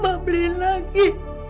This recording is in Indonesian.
mak beli lagi